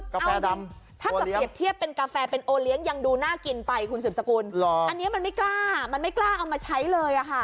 กาแฟดำโอเลี๊ยงอย่างดูน่ากินไปคุณศึกษากุญอันนี้มันไม่กล้าชั้นเลยค่ะ